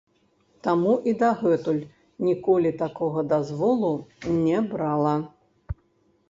Таму і дагэтуль ніколі такога дазволу не брала.